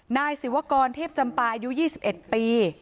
นายศิวกรเทพจำปาอายุ๒๑ปี